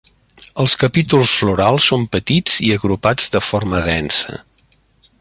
Els capítols florals són petits i agrupats de forma densa.